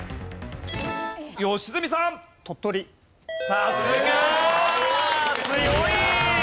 さすが！強い！